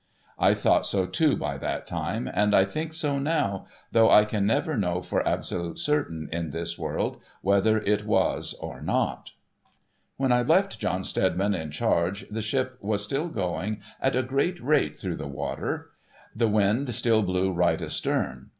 I thought so too by that time, and I think so now, though I can never know for absolute certain in this world, whether it was or not. When I left John Steadiman in charge, the ship was still going at a great rate through the water. The wind still blew right astern.